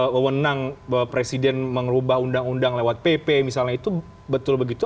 wewenang bahwa presiden mengubah undang undang lewat pp misalnya itu betul begitu